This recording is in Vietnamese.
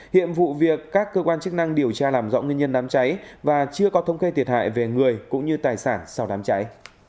hiện vụ việc các cơ quan chức năng điều tra làm rõ nguyên nhân đám cháy và chưa có thông kê thiệt hại về người cũng như tài sản sau đám cháy